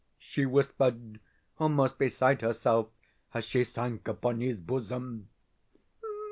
she whispered, almost beside herself, as she sank upon his bosom.